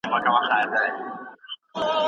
کله چې ژوند ښکلی وي